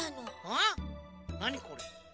なにこれ？